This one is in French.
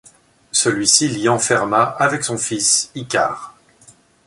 Celui-ci l'y enferma avec son fils, Icare.